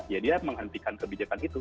ya dia menghentikan kebijakan itu